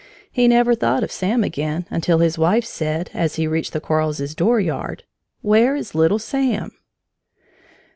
He never thought of Sam again until his wife said, as he reached the Quarles's dooryard: "Where is little Sam?"